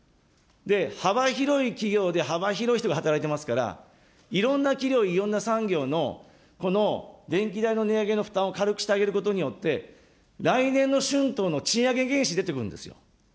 幅広い企業で幅広い人が働いていますから、いろんな企業、いろんな産業の、この電気代の値上げの負担を軽くしてあげることによって、来年の春闘の賃上げ原資出てくるんですよ。